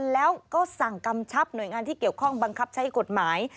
แล้วก็สั่งกำชับหน่วยงานที่เกี่ยวข้องบังคับใช้กฎหมาย